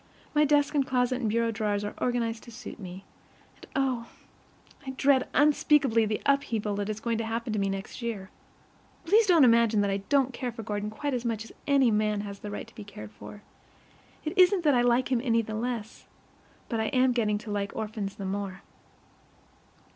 My desk and closet and bureau drawers are organized to suit me; and, oh, I dread unspeakably the thought of the upheaval that is going to happen to me next year! Please don't imagine that I don't care for Gordon quite as much as any man has a right to be cared for. It isn't that I like him any the less, but I am getting to like orphans the more.